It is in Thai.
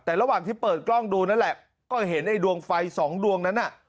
แต่ระหว่างที่เปิดกล้องดูนั่นแหละก็เห็นไอ้ดวงไฟสองดวงนั้นน่ะ